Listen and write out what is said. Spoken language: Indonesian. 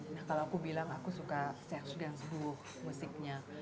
nah kalau aku bilang aku suka serge gainsbourg musiknya